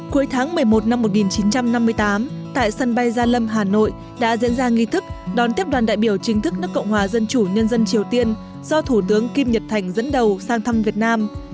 cuối tháng một mươi một năm một nghìn chín trăm năm mươi tám tại sân bay gia lâm hà nội đã diễn ra nghi thức đón tiếp đoàn đại biểu chính thức nước cộng hòa dân chủ nhân dân triều tiên do thủ tướng kim nhật thành dẫn đầu sang thăm việt nam